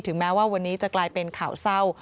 แม้ว่าวันนี้จะกลายเป็นข่าวเศร้า